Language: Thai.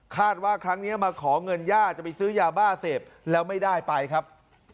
ว่าครั้งนี้มาขอเงินย่าจะไปซื้อยาบ้าเสพแล้วไม่ได้ไปครับ